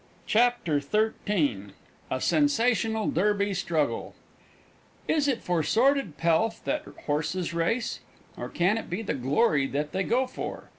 CHAPTER XIII A SENSATIONAL DERBY STRUGGLE Is it for sordid pelf that horses race? Or can it be the glory that they go for?